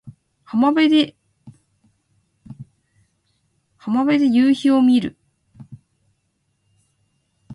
浜辺で夕陽を見る